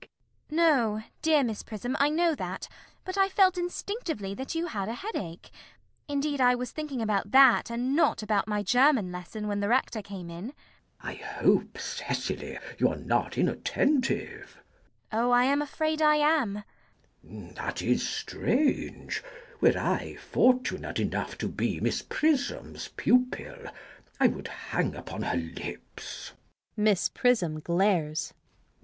CECILY. No, dear Miss Prism, I know that, but I felt instinctively that you had a headache. Indeed I was thinking about that, and not about my German lesson, when the Rector came in. CHASUBLE. I hope, Cecily, you are not inattentive. CECILY. Oh, I am afraid I am. CHASUBLE. That is strange. Were I fortunate enough to be Miss Prism's pupil, I would hang upon her lips. [Miss Prism glares.